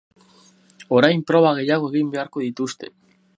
Orain proba gehiago egin beharko dituzte.